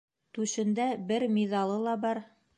Түшендә бер миҙалы ла бар.